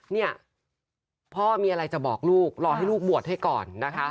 เนี่ยพ่อมีอะไรจะบอกลูกรอให้ลูกบวชให้ก่อนนะคะ